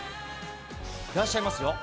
いらっしゃいますよ。